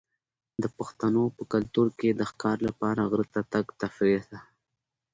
د پښتنو په کلتور کې د ښکار لپاره غره ته تګ تفریح ده.